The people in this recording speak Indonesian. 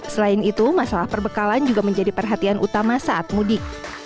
selain itu masalah perbekalan juga menjadi perhatian utama saat mudik